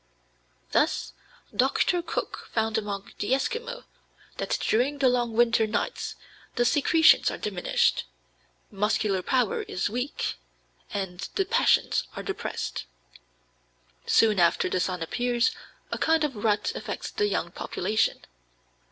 Thus Dr. Cook found among the Eskimo that during the long winter nights the secretions are diminished, muscular power is weak, and the passions are depressed. Soon after the sun appears a kind of rut affects the young population.